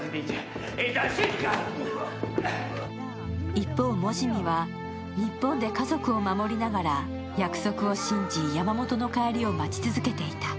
一方、モジミは日本で家族を守りながら約束を信じ山本の帰りを待ち続けていた。